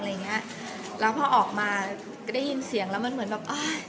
แล้วพอออกมาก็ได้ยินเสียงแล้วมันเหมือนแบบ